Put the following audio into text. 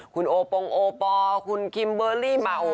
คุณโอปงโอปอลคุณคิมเบอร์รี่มาโอ